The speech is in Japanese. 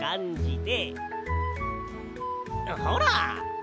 ほら。